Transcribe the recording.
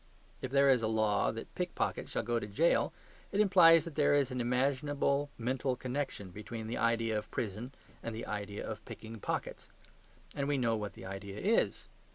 If there is a law that pick pockets shall go to prison, it implies that there is an imaginable mental connection between the idea of prison and the idea of picking pockets. And we know what the idea is.